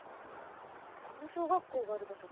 この小学校がある場所